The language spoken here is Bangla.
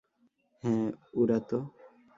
হ্যাঁ, উড়াতো।